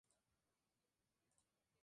Luego llegan las demás Sailor Senshi.